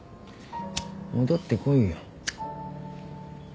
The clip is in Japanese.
戻ってこいよ。